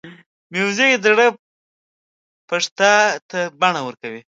موزیک د زړه تپښتا ته بڼه ورکوي.